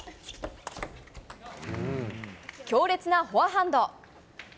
強烈なフォアハンド。